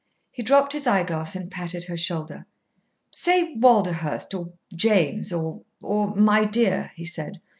He dropped his eyeglass and patted her shoulder. "Say 'Walderhurst' or 'James' or or 'my dear,'" he said.